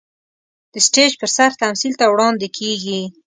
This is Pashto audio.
د سټېج پر سر تمثيل ته وړاندې کېږي.